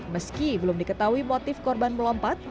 meski belum diketahui motif korban melompat